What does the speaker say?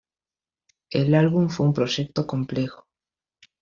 El álbum fue un proyecto complejo.